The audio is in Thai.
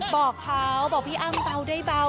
บอกเขาบอกพี่อ้ำเตาได้เบา